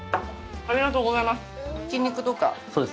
ありがとうございます。